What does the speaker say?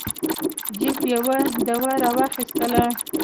جیف یوه دوا را واخیستله.